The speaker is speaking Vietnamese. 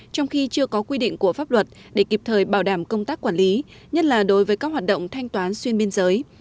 trong khi chưa có quy định của pháp luật để kịp thời bảo đảm công tác quản lý nhất là đối với các hoạt động thanh toán xuyên biên giới